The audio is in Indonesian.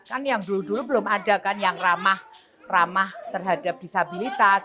kan yang dulu dulu belum ada kan yang ramah terhadap disabilitas